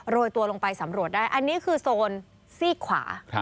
โรยตัวลงไปสำรวจได้อันนี้คือโซนซีกขวา